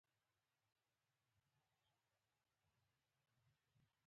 سنایپر همداسې فعال و او زه یې لیدلم